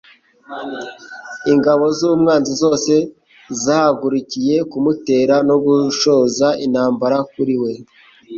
Ingabo z'umwanzi zose zahagurukiye kumutera no gushoza intambara kuri we,